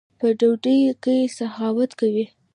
په ډوډۍ کښي سخاوت کوئ!